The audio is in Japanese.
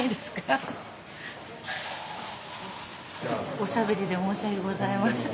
おしゃべりで申し訳ございません。